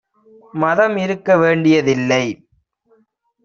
மதம் இருக்க வேண்டியதில்லை